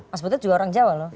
mas butot juga orang jawa loh